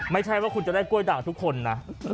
ไม่ใช่ว่าคุณจะได้กล้วยด่างทุกคนนะ